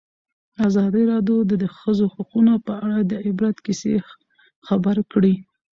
ازادي راډیو د د ښځو حقونه په اړه د عبرت کیسې خبر کړي.